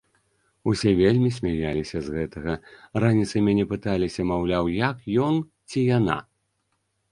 Усе вельмі смяяліся з гэтага, раніцай мяне пыталіся, маўляў, як ён, ці яна?